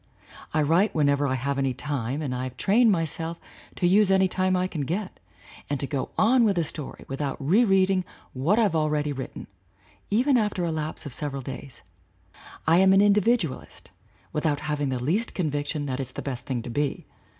I write whenever I have any time and I have trained myself to use any time I can get and to go on with a story without re reading what I've already written, even after a lapse of several days. I am an individualist without having the least convic tion that it's the best thing to be.